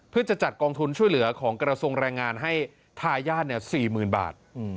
เพื่อจะจัดกองทุนช่วยเหลือของกระทรวงแรงงานให้ทายาท๔๐๐๐บาท